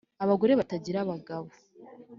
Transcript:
-Abagore batagira abagabo.